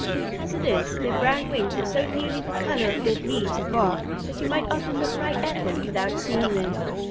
As it is, their brown wings are so nearly the color of dead leaves or bark that you might often look right at them without seeing them.